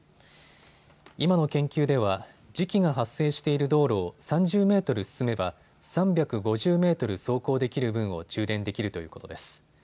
今の研究では磁気が発生している道路を３０メートル進めば３５０メートル走行できる分を充電できるということです。